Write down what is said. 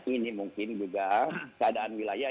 ini mungkin juga keadaan wilayah